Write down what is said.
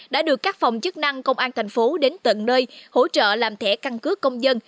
đã được các phòng chức năng công an thành phố đến tận nơi hỗ trợ làm thẻ căn cước công dân